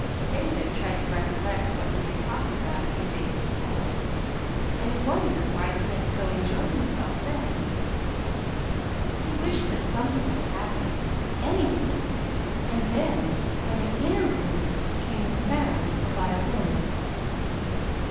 David tried to recollect what he had talked about a few days before, and he wondered why he had so enjoyed himself then. He wished that something would happen anything! and then from an inner room came the sound of a violin.